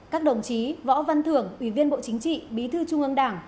các đồng chí võ văn thưởng ủy viên bộ chính trị bí thư trung ương đảng